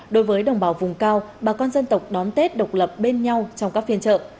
đối với đồng bào vùng cao bà con dân tộc đón tết độc lập bên nhau trong các phiên trợ